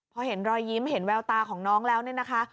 พอเห็นรอยยิ้มเห็นแววตาของน้องแล้วเนี่ยนะคะ